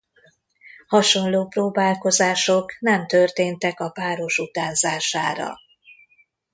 Hasonló próbálkozások nem történtek a páros utánzására.